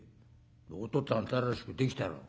「おとっつぁん新しくできたろ？」。